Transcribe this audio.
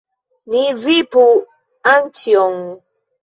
Ni vipu Anĉjon!